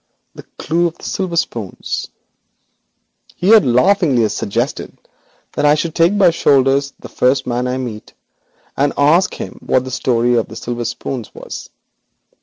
The clue of the silver spoons! He had laughingly suggested that I should take by the shoulders the first man I met, and ask him what the story of the silver spoons was.